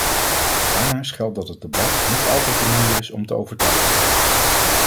Daarnaast geldt dat het debat niet altijd de manier is om te overtuigen.